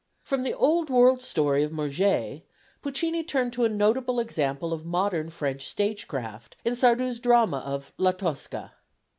From the old world story of Murger, Puccini turned to a notable example of modern French stagecraft, in Sardou's drama of La Tosca.